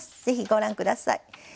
ぜひご覧下さい。